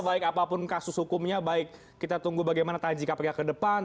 baik apapun kasus hukumnya baik kita tunggu bagaimana taji kpk ke depan